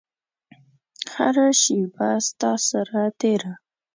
هره شیبه ستا سره تیره